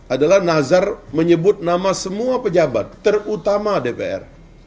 adalah nazar menyebut nama semua pejabat terutama dpr